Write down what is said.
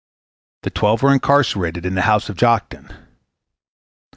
The twelve were incarcerated in the house of Joktan.